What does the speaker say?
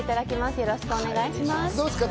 よろしくお願いします。